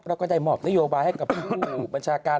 แล้วก็ได้มอบนโยบายให้กับผู้บัญชาการ